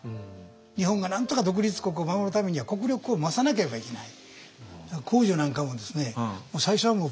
日本がなんとか独立国を守るためには国力を増さなければいけない。